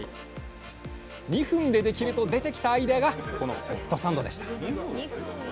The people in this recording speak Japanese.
「２分でできる」と出てきたアイデアがこのホットサンドでした２分。